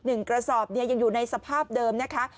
หนึ่งกระสอบนี้ยังอยู่ในสภาพเดิมนะคะ